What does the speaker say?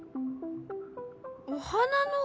お花の柄？